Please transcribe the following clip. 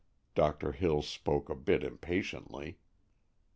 Doctor Hills spoke a bit impatiently.